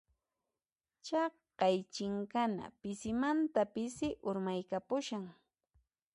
Chaqay chinkana pisimanta pisi urmaykapushan.